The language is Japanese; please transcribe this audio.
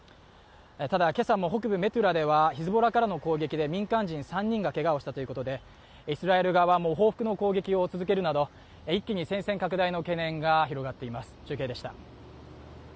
ただ、今朝も北部メトゥラではヒズボラからの攻撃で民間人３人がけがをしたということで、イスラエル側も戦線拡大の懸念が広がっています。